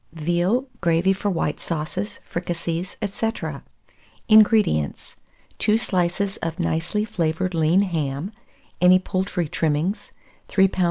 VEAL GRAVY FOR WHITE SAUCES, FRICASSEES, &c. 442. INGREDIENTS. 2 slices of nicely flavoured lean ham, any poultry trimmings, 3 lbs.